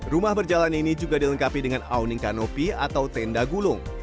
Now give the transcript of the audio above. rumah berjalan ini juga dilengkapi dengan owning kanopi atau tenda gulung